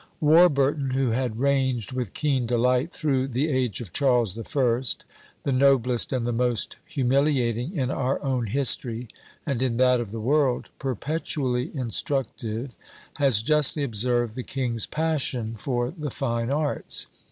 Warburton, who had ranged with keen delight through the age of Charles the First, the noblest and the most humiliating in our own history, and in that of the world, perpetually instructive, has justly observed the king's passion for the fine arts.